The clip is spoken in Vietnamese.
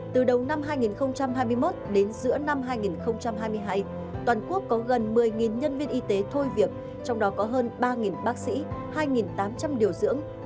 từ đầu năm hai nghìn hai mươi một đến giữa năm hai nghìn hai mươi hai toàn quốc có gần một mươi nhân viên y tế thôi việc trong đó có hơn ba bác sĩ hai tám trăm linh điều dưỡng